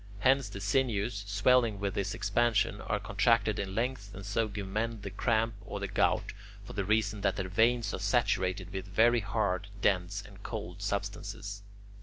Hence the sinews, swelling with this expansion, are contracted in length and so give men the cramp or the gout, for the reason that their veins are saturated with very hard, dense, and cold substances.